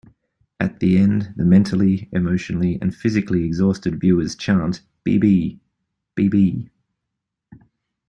At the end, the mentally, emotionally, and physically exhausted viewers chant B-B!...B-B!